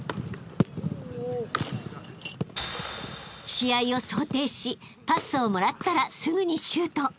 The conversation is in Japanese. ［試合を想定しパスをもらったらすぐにシュート］